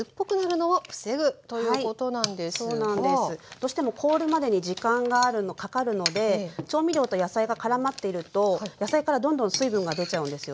どうしても凍るまでに時間がかかるので調味料と野菜がからまっていると野菜からどんどん水分が出ちゃうんですよね。